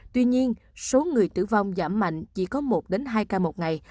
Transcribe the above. tuy nhiên số người tử vong giảm mạnh chỉ có một hai ca một ngày